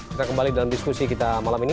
kita kembali dalam diskusi kita malam ini